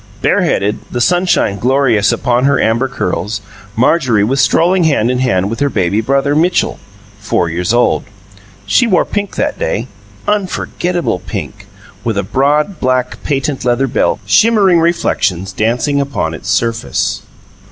Bareheaded, the sunshine glorious upon her amber curls, Marjorie was strolling hand in hand with her baby brother, Mitchell, four years old. She wore pink that day unforgettable pink, with a broad, black patent leather belt, shimmering reflections dancing upon its surface.